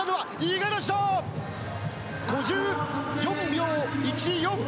５４秒１４。